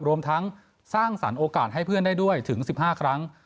รวมทั้งสร้างสรรค์โอกาสให้เพื่อนได้ด้วยถึง๑๕ครั้ง